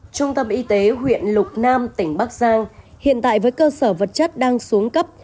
trung tâm y tế huyện lục nam tỉnh bắc giang hiện tại với cơ sở vật chất đang xuống cấp